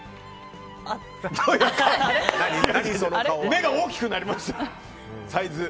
目が大きくなりましたよ。